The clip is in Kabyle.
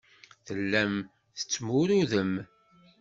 Tellam tettmurudem.